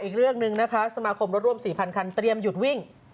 อีกเรื่องหนึ่งนะคะสมาคมรถร่วม๔๐๐คันเตรียมหยุดวิ่ง